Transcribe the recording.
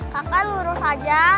kakak lurus aja